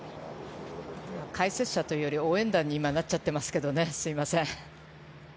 解説者というより応援団に今なっちゃっていますけどねすいません。